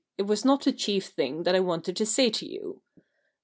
It was not the chief thing that I wanted to say to you.